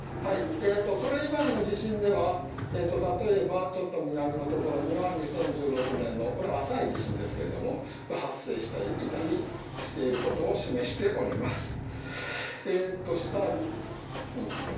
それ以外の地震では、例えばちょっと南のところには２０１６年の、この浅い地震ですけれども、発生していたりしていることを示しております。